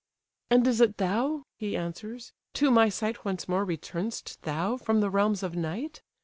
"And is it thou? (he answers) To my sight Once more return'st thou from the realms of night?